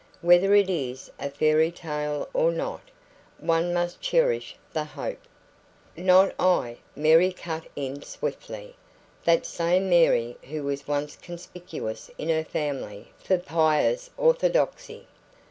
"Whether it is a fairy tale or not, one must cherish the hope " "Not I," Mary cut in swiftly that same Mary who was once conspicuous in her family for pious orthodoxy.